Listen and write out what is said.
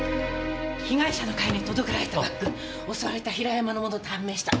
被害者の会に届けられたバッグ襲われた平山のものと判明した。